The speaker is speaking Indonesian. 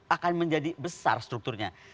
akan menjadi besar strukturnya